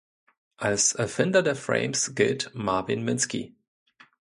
Als Erfinder der Frames gilt Marvin Minsky.